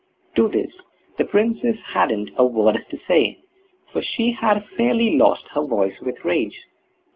To this the Princess hadn't a word to say, for she had fairly lost her voice with rage.